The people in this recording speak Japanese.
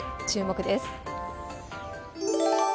注目です。